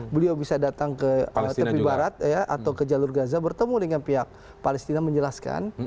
beliau bisa datang ke tepi barat atau ke jalur gaza bertemu dengan pihak palestina menjelaskan